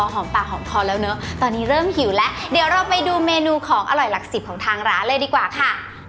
หอมปากหอมคอแล้วเนอะตอนนี้เริ่มหิวแล้วเดี๋ยวเราไปดูเมนูของอร่อยหลักสิบของทางร้านเลยดีกว่าค่ะ